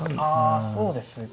あそうですね